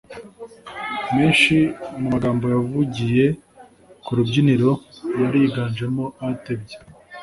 Menshi mu magambo yavugiye ku rubyiniro yari yiganjemo atebya